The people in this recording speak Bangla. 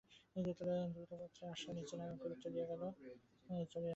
দ্রুতপদে আশা নীচে চলিয়া গেল।